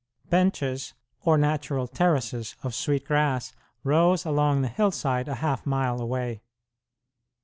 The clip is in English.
"Benches," or natural terraces, of sweet grass rose along the hillside a half mile away.